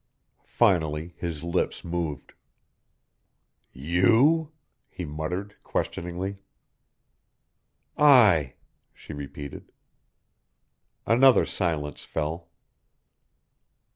Finally his lips moved. "You?" he muttered, questioningly. "I," she repeated. Another silence fell.